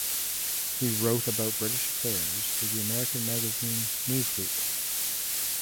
He wrote about British affairs for the American magazine "Newsweek".